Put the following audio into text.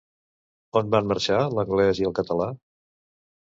On van marxar l'anglès i el català?